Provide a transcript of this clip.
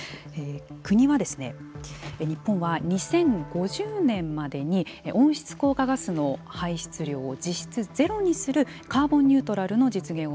国は、日本は２０５０年までに温室効果ガスの排出量を実質ゼロにするカーボンニュートラルの実現を